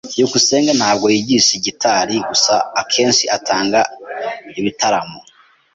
byukusenge ntabwo yigisha gitari gusa, akenshi atanga ibitaramo.